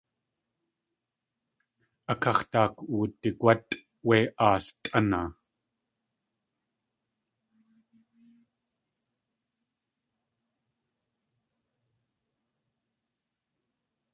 A káx̲ daak wudigwátʼ wé aas tʼáni.